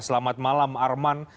selamat malam arman